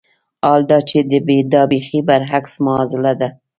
حال دا چې دا بېخي برعکس معاضله ده.